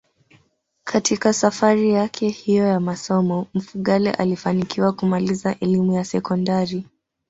Katika safari yake hiyo ya masomo Mfugale alifanikiwa kumaliza elimu ya sekondari